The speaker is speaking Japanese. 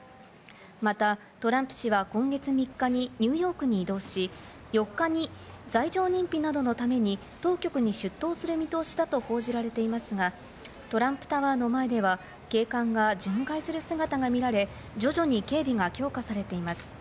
またトランプ氏は、今月３日にニューヨークに移動し、４日に罪状認否などのために当局に出頭する見通しだと報じられていますが、トランプタワーの前では、警官が巡回する姿が見られ、徐々に警備が強化されています。